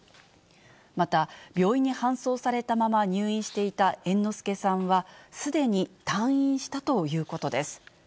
また、病院に搬送されたまま入院していた猿之助さんは、すでに退院したということです。